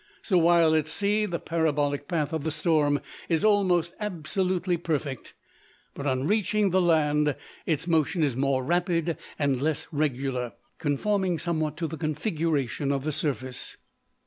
So while at sea the parabolic path of the storm is almost absolutely perfect, but on reaching the land its motion is more rapid, and less regular, conforming somewhat to the configuration of the surface.